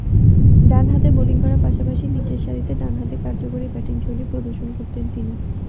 ডানহাতে বোলিং করার পাশাপাশি নিচেরসারিতে ডানহাতে কার্যকরী ব্যাটিংশৈলী প্রদর্শন করতেন তিনি।